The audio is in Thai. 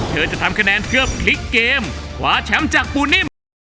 เธอจะทำคะแนนเพื่อพลิกเกมขวาแชมป์จากปูนิ่ม